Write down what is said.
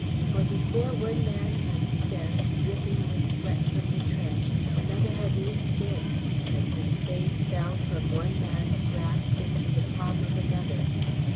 For before one man had stepped, dripping with sweat from the trench, another had leaped in, and the spade fell from one man's grasp into the palm of another.